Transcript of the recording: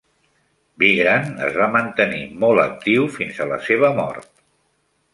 Vigran es va mantenir molt actiu fins la seva mort.